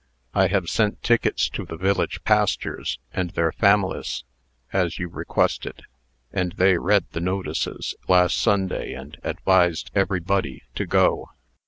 I have sent tickets to the village pastures and their famylis, as yu requested and they red the notises last Sunday and advised everybuddy to go.